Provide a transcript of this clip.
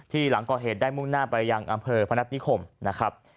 หลังก่อเหตุได้มุ่งหน้าไปยังอำเภอพนัฐนิคมนะครับ